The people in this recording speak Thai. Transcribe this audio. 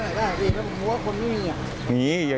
ฟังเสียงคนที่ไปรับของกันหน่อย